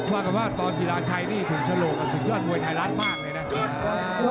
ว่ากันว่าตอนศิลาชัยนี่ถึงฉลกกับศึกยอดมวยไทยรัฐมากเลยนะ